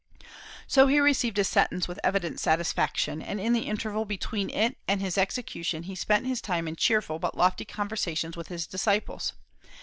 So he received his sentence with evident satisfaction; and in the interval between it and his execution he spent his time in cheerful but lofty conversations with his disciples.